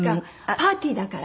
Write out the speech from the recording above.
パーティーだから？